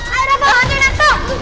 ayo lepasin lantau